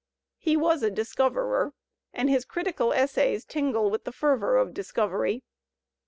He was a discoverer, and his critical essays tingle with the fervour of discovery.